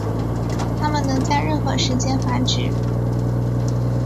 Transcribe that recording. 它们能在任何时间繁殖。